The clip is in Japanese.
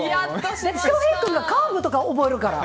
翔平君がカーブとか覚えるから。